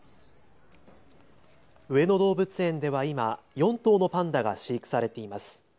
上野動物園では今４頭のパンダが飼育されています。